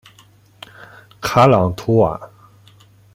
卡朗图瓦。